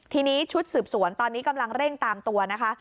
ทีนี้ชุดสืบสวนตอนนี้กำลังเร่งตามตัวนะคะ